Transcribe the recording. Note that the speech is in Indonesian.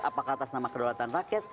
apakah atas nama kedaulatan rakyat